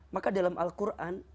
maka dalam al quran